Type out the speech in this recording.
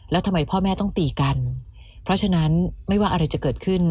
แล้วทำไมพ่อแม่ต้องตีกันเพราะฉะนั้นไม่ว่าอะไรจะเกิดขึ้น